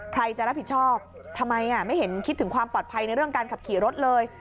ใครจะรับผิดชอบทำไมไม่เห็นคิดถึงความปลอดภัยในเรื่องการขับขี่รถเลย